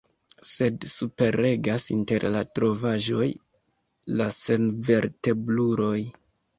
Sed superregas inter la trovaĵoj la senvertebruloj.